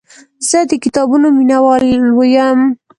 زه د کتابونو مینهوال یم.